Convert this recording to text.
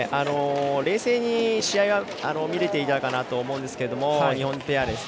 冷静に試合は見れていたかなと思うんですが日本ペア。